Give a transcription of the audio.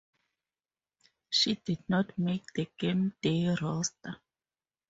She did not make the gameday roster.